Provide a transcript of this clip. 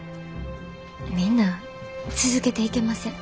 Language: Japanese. みんな続けていけません。